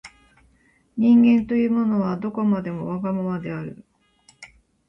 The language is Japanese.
人間というものは、どこまでもわがままである。